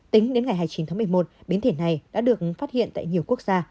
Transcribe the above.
tính đến ngày hai mươi chín tháng một mươi một biến thể này đã được phát hiện tại nhiều quốc gia